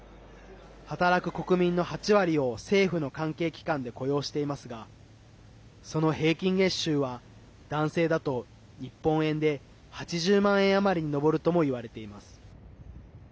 働く国民の８割を政府の関係機関で雇用していますがその平均月収は男性だと日本円で８０万円余りに上るともいわれています。